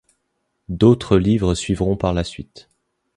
D'autres livres suivront par la suite.